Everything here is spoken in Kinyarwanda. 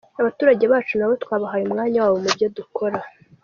Abaturage bacu nabo twabahaye umwanya wabo mubyo dukora.